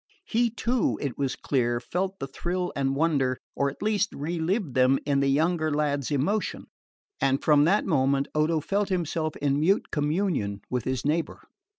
He too, it was clear, felt the thrill and wonder, or at least re lived them in the younger lad's emotion; and from that moment Odo felt himself in mute communion with his neighbour.